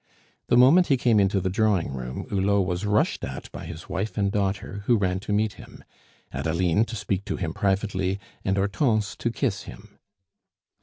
The moment he came into the drawing room, Hulot was rushed at by his wife and daughter, who ran to meet him, Adeline to speak to him privately, and Hortense to kiss him.